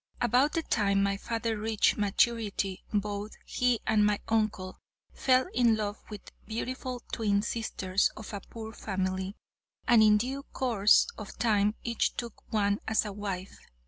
"'About the time my father reached maturity, both he and my uncle fell in love with beautiful twin sisters of a poor family, and in due course of time each took one as a wife.